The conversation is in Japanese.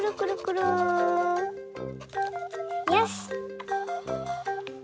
よし！